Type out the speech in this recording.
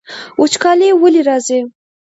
وچکالي ولې راځي؟